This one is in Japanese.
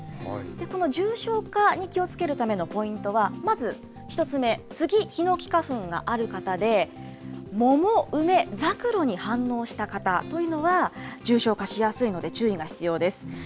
この重症化に気をつけるためのポイントは、まず１つ目、スギ、ヒノキ花粉がある方で、桃、梅、ザクロに反応した方というのは、重症化しやすいので注意が必要です。